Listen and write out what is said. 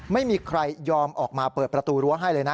ไม่ยอมออกมาเปิดประตูรั้วให้เลยนะ